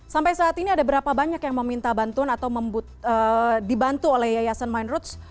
sampai saat ini ada berapa banyak yang meminta bantuan atau dibantu oleh yayasan mindroots